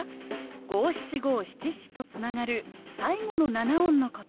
五七五七七とつながる最後の七音のこと。